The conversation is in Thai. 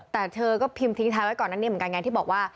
แต่เธอก็พิมพ์ทิ้งท้ายไว้ก่อนนั้นเนี่ยเหมือนกันไงที่บอกว่า